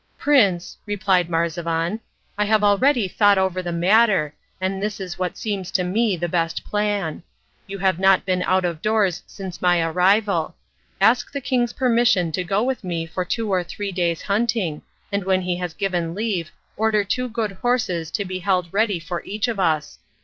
"Prince," replied Marzavan, "I have already thought over the matter, and this is what seems to me the best plan. You have not been out of doors since my arrival. Ask the king's permission to go with me for two or three days' hunting, and when he has given leave order two good horses to be held ready for each of us.